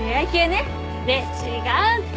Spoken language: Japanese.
ねえ違うって。